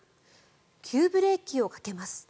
急ブレーキをかけます。